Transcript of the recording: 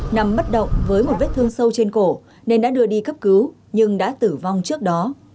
nằm bất động với một vết thương sâu trên cổ nên đã đưa đi cấp cứu nhưng đã tử vong trước đó